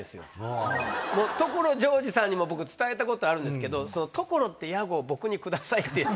ジョージさんにも僕伝えたことあるんですけど「所って屋号僕にください」って。